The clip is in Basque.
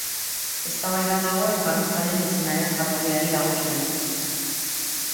Eztabaida dago enparantzaren izenaren jatorriari dagokionez.